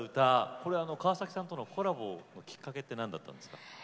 これ川崎さんとのコラボのきっかけって何だったんですか。